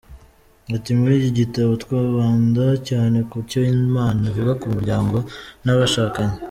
Ati “Muri iki gitabo twibanda cyane ku cyo Imana ivuga ku muryango n’abashakanye.